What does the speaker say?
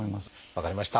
分かりました。